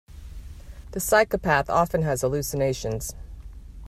The psychopath often has hallucinations.